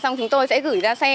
xong chúng tôi sẽ gửi ra xe